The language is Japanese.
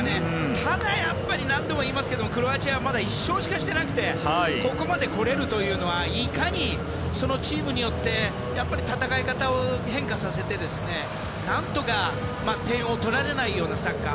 ただ、やっぱり何度も言いますけどクロアチアはまだ１勝しかしてなくてここまで来れるというのはいかに、そのチームによって戦い方を変化させて何とか点を取られないようなサッカー。